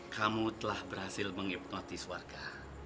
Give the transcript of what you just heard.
kamu telah berhasil menghipnotis warga